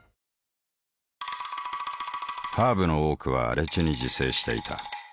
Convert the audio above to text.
ハーブの多くは荒地に自生していた。